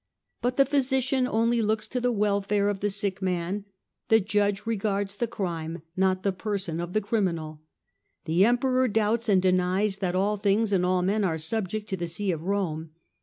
But the physician only looks to the welfare of the sick man, the judge regards the crime, not the person of the criminal. The Emperor doubts and denies that all things and all men are subject to the See of Rome.